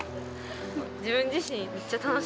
自分自身。